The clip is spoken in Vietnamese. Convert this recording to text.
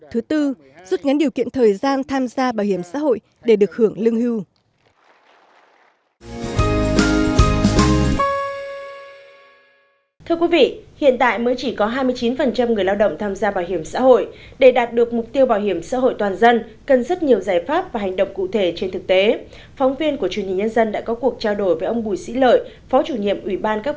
thứ tư rút ngắn điều kiện thời gian tham gia bảo hiểm xã hội để được hưởng lương hưu